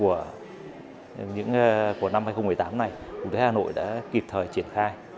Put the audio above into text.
ngay từ những ngày đầu của năm hai nghìn một mươi tám này cục thế hà nội đã kịp thời triển khai